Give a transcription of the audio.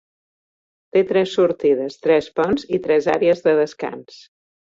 Té tres sortides, tres ponts i tres àrees de descans.